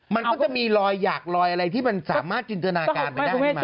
มันก็จะมีรอยหยากลอยอะไรที่มันสามารถจินตนาการไปได้ใช่ไหม